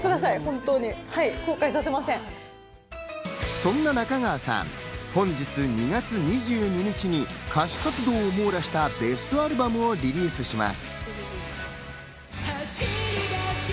そんな中川さん、本日２月２２日に歌手活動を網羅したベストアルバムをリリースします。